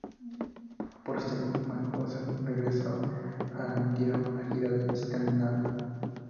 Þorsteinn Magnússon regresó a Þeyr y dieron una gira por Escandinavia.